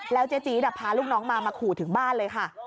เจ๊จี๊ดพาลูกน้องมามาขู่ถึงบ้านเลยค่ะ